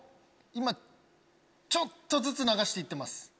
今ちょっとずつ流して行ってます。